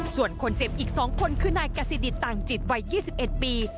ส่วนคนเจ็บอีก๒คนคือนายกษิตต่างจิตวัย๒๑ปี